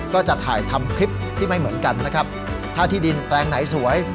ก็จะถ่ายทำคลิปที่ไม่เหมือนกันนะครับถ้าที่ดินแปลงไหนสวย